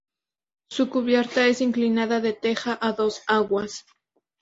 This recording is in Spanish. Su cubierta es inclinada de teja a dos aguas.